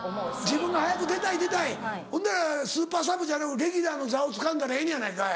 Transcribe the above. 自分が早く出たい出たいほんならスーパーサブじゃなくレギュラーの座をつかんだらええのやないかい。